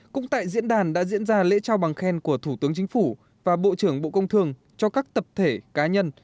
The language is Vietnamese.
cũng tại diễn đàn đã diễn ra lễ trao bằng khen của thủ tướng chính phủ và bộ trưởng bộ công thương cho các tập thể cá nhân